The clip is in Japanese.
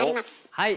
はい！